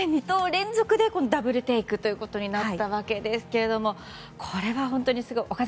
２投連続でダブルテイクということになったわけですがこれは本当にすごい。